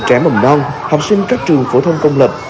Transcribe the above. trẻ mầm non học sinh các trường phổ thông công lập